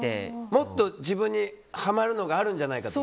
もっと自分にハマるのがあるんじゃないかって？